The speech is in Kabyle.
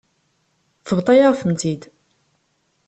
Tebḍa-yaɣ-tent-id.